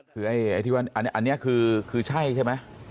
คืออันนี้คือใช่ใช่ไหม